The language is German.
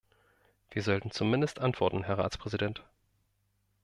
Wir sollten zumindest antworten, Herr Ratspräsident!